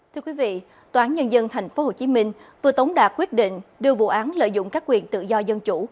thưa quý vị tòa án nhân dân tp hcm vừa tống đạt quyết định đưa vụ án lợi dụng các quyền tự do dân chủ